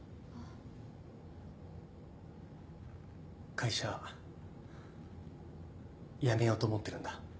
会社辞めようと思ってるんだ。